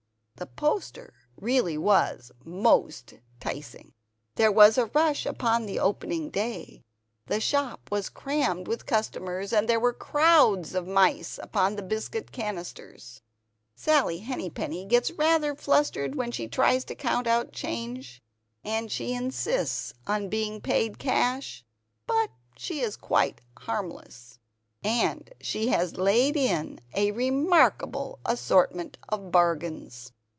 The poster really was most 'ticing. There was a rush upon the opening day. The shop was crammed with customers, and there were crowds of mice upon the biscuit cannisters. Sally Henny Penny gets rather flustered when she tries to count out change, and she insists on being paid cash; but she is quite harmless. And she has laid in a remarkable assortment of bargains.